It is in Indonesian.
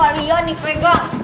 bu sifalia nih pegang